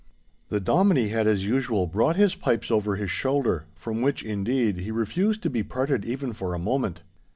The Dominie had as usual brought his pipes over his shoulder, from which, indeed, he refused to be parted even for a moment.